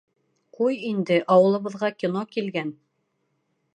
Ҡуй инде, ауылыбыҙға кино килгән!